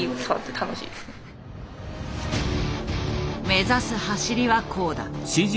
目指す走りはこうだ。